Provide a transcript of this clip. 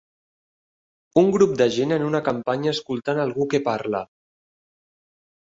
Un grup de gent en una campanya escoltant algú que parla